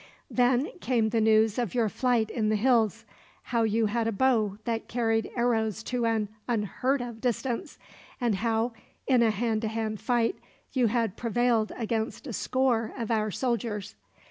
"Then came the news of your fight in the hills; how you had a bow that carried arrows to an unheard of distance; and how, in a hand to hand fight, you had prevailed against a score of our soldiers.